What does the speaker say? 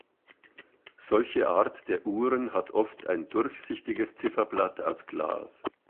Solche Art der Uhren hat oft ein durchsichtiges Zifferblatt aus Glas.